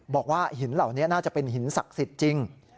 บอกว่าหินเหล่านี้น่าจะเป็นหินศักดิ์สิทธิ์จริง